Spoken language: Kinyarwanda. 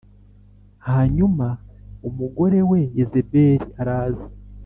Hanyuma umugore we Yezebeli araza